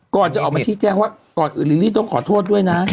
ก่อนจะออกมาที่แจ้งว่าลิลลี่ต้องขอโทษด้วยนะ